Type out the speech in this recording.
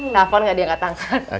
telepon gak diangkat tangan